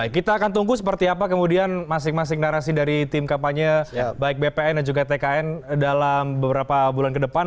baik kita akan tunggu seperti apa kemudian masing masing narasi dari tim kampanye baik bpn dan juga tkn dalam beberapa bulan ke depan